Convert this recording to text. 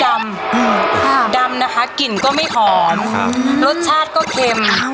ทำตอนแรกสีก็ดำอืมค่ะดำนะคะกลิ่นก็ไม่หอดครับรสชาติก็เข็ม